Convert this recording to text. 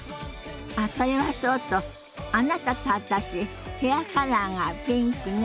あっそれはそうとあなたと私ヘアカラーがピンクね。